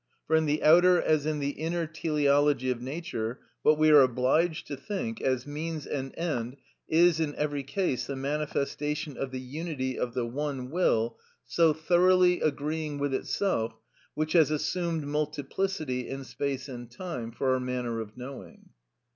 For in the outer as in the inner teleology of nature, what we are obliged to think as means and end is, in every case, the manifestation of the unity of the one will so thoroughly agreeing with itself, which has assumed multiplicity in space and time for our manner of knowing.